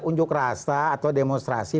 unjuk rasa atau demonstrasi